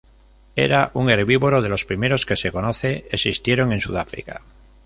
Era un herbívoro, de los primeros que se conoce existieron en Sudáfrica.